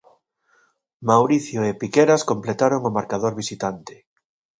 Mauricio e Piqueras completaron o marcador visitante.